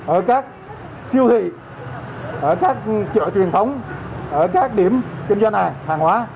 ở các siêu thị ở các chợ truyền thống ở các điểm kinh doanh hàng hóa